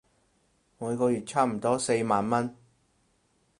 每個月差唔多四萬文